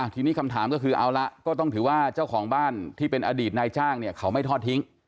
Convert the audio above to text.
ทีนี้คำถามก็คือเอาละก็ต้องถือว่าเจ้าของบ้านที่เป็นอดีตนายจ้างเนี่ยเขาไม่ทอดทิ้ง